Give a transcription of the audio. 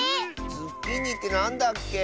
ズッキーニってなんだっけ？